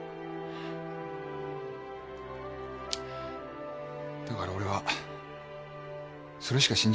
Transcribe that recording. だから俺はそれしか信じない。